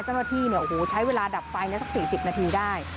เจ้าหน้าที่เนี่ยใช้เวลาดับไฟนั้นสัก๔๐นาทีได้